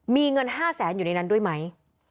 มีเงิน๕แสนอยู่ในนั้นด้วยไหม